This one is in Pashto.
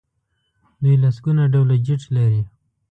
دوی لسګونه ډوله جیټ لري.